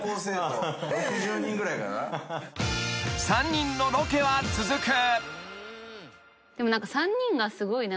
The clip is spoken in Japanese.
［３人のロケは続く］